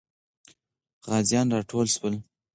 غازیان راټول سول.